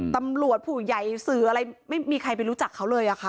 ตำรวจผู้ใหญ่สื่ออะไรไม่มีใครไปรู้จักเขาเลยอะค่ะ